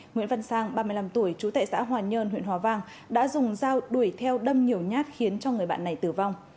nguyễn văn sang ba mươi năm tuổi trú tại xã hòa nhơn huyện hòa vang đã dùng dao đuổi theo đâm nhiều nhát khiến cho người bạn này tử vong